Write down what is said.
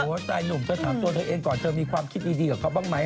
โ้ใจหนูก่อนเธอถามโทษเธอเองก่อนเธอมีความคิดดีเค้ากับเค้าบ้างไหม